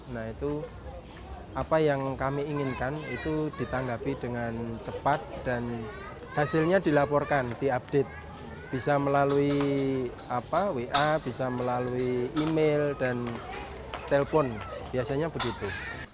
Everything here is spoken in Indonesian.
nah itu apa yang kami inginkan itu ditanggapi dengan cepat dan hasilnya dilaporkan diupdate bisa melalui wa bisa melalui email dan telpon biasanya begitu